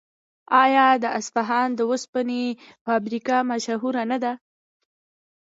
آیا د اصفهان د وسپنې فابریکه مشهوره نه ده؟